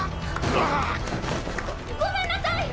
ああっ！ごごめんなさい！